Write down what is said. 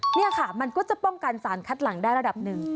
นี่ค่ะมันก็จะป้องกันสารคัดหลังได้ระดับหนึ่ง